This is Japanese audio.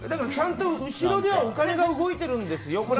ちゃんと後ろではお金が動いているんですよ。